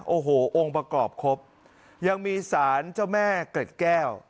โอ้โหองค์ประกอบครบยังมีสารเจ้าแม่เกร็ดแก้ว